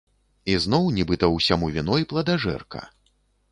І зноў нібыта ўсяму віной пладажэрка.